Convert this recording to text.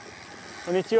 こんにちは。